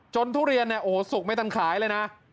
จนทุเรียนสุกไม่ทันขายเลยนะ